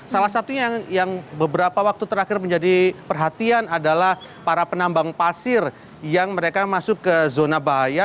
salah satunya yang beberapa waktu terakhir menjadi perhatian adalah para penambang pasir yang mereka masuk ke zona bahaya